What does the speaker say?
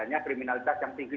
adanya kriminalitas yang tinggi